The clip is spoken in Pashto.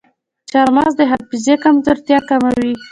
چارمغز د حافظې کمزورتیا کموي.